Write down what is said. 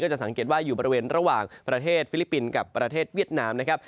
จะสังเกตว่าอยู่บริเวณระหว่างประเทศฟิลิปปินส์กับประเทศเวียดนามนะครับ